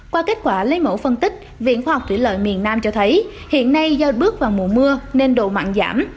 qua kết quả lấy mẫu phân tích viện khoa học thủy lợi miền nam cho thấy hiện nay do bước vào mùa mưa nên độ mặn giảm